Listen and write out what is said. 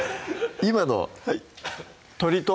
今の鶏と？